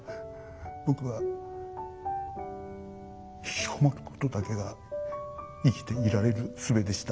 僕はひきこもることだけが生きていられるすべでした。